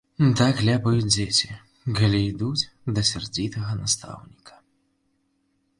Так ляпаюць дзеці, калі ідуць да сярдзітага настаўніка.